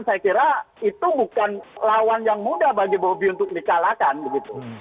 saya kira itu bukan lawan yang mudah bagi bobi untuk dikalahkan begitu